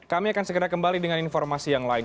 kami akan segera kembali dengan informasi yang lain